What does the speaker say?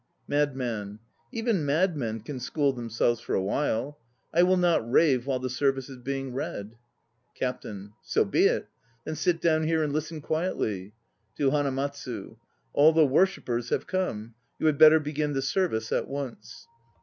MADMAN. Even madmen can school themselves for a while. I will not rave while the service is being read. CAPTAIN. So be it. Then sit down here and listen quietly. (To HANA MATSU.) All the worshippers have come. You had better begin the service at once.